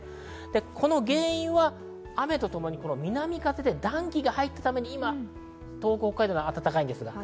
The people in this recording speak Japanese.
この原因は雨と共に南風で暖気が入ったために今、東北、北海道では暖かいんです。